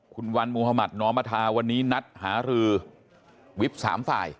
คุณวันมุธมัธนอมธาวันนี้นัดหารือวิบสามฝ่าย